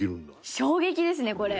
衝撃ですねこれ。